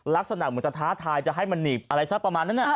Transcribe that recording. ลักษณะเหมือนจะท้าทายจะให้มันหนีบอะไรสักประมาณนั้น